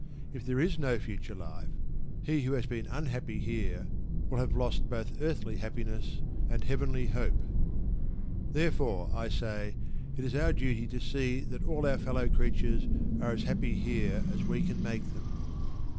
If there is no future life, he who has been unhappy here will have lost both earthly happiness and heavenly hope. Therefore, I say, it is our duty to see that all our fellow creatures are as happy here as we can make them.